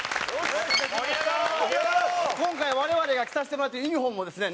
今回我々が着させてもらってるユニホームもですね